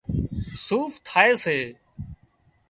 صوف ٿائي سي